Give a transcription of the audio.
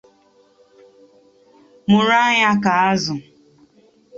mụrụ anya ka azụ